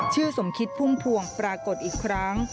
สมคิดพุ่มพวงปรากฏอีกครั้ง